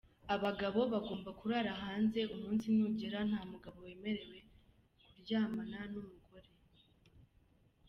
Abagabo bagomba kurara hanze, umunsi nugera, nta mugabo wemerewe kuryamana n’umugore.